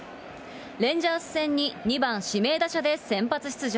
レンジャース戦に２番指名打者で先発出場。